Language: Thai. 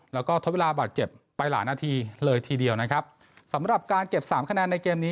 แล้วก็ทดเวลาบาดเจ็บไปหลายนาทีเลยทีเดียวนะครับสำหรับการเก็บสามคะแนนในเกมนี้